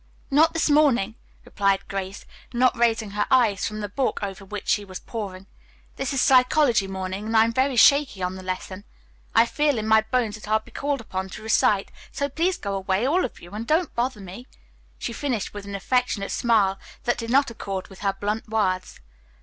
"Not this morning," replied Grace, not raising her eyes from the book over which she was poring. "This is psychology morning and I'm very shaky on the lesson. I feel in my bones that I'll be called upon to recite, so please go away, all of you, and don't bother me," she finished with an affectionate smile that did not accord with her blunt words.